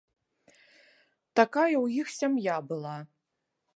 Такая ў іх сям'я была.